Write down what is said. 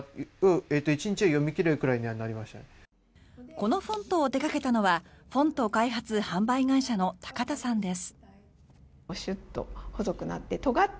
このフォントを手掛けたのはフォント開発・販売会社の高田さんです。